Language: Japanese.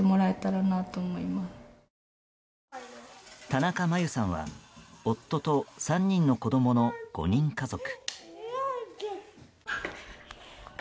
田中真由さんは夫と３人の子供の５人家族。